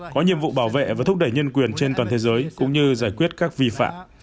có nhiệm vụ bảo vệ và thúc đẩy nhân quyền trên toàn thế giới cũng như giải quyết các vi phạm